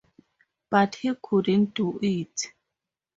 But he couldn’t do it.